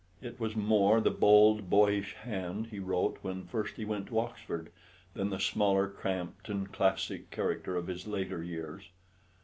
It was more the bold boyish hand he wrote when first he went to Oxford, than the smaller cramped and classic character of his later years.